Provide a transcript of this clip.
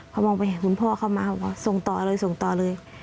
เขามองไปคุณพ่อเข้ามาบอกว่าส่งต่ออะไรส่งต่อเลย